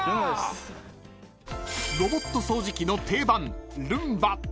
［ロボット掃除機の定番ルンバ］